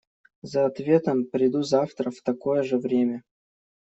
За ответом приду завтра в такое же время.